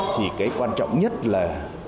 thì cái quan trọng nhất là